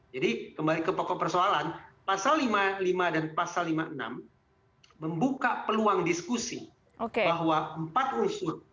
jadi kembali ke pokok persoalan pasal lima puluh lima dan pasal lima puluh enam membuka peluang diskusi bahwa empat unsur